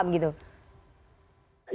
bagaimana dalam itu